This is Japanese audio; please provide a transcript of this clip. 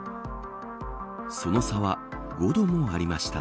その差は５度もありました。